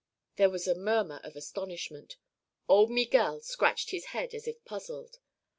There was a murmur of astonishment. Old Miguel scratched his head as if puzzled.